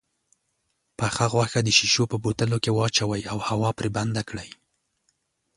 پخه غوښه د شيشو په بوتلو کې واچوئ او هوا پرې بنده کړئ.